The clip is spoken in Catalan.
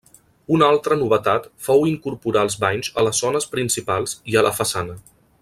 Una altra novetat fou incorporar els banys a les zones principals i a la façana.